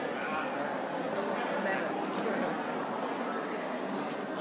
สวัสดีสวัสดีสวัสดีครับ